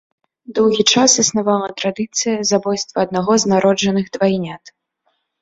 Доўгі час існавала традыцыя забойства аднаго з народжаных двайнят.